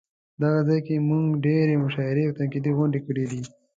دغه ځای کې مونږ ډېرې مشاعرې او تنقیدي غونډې کړې دي.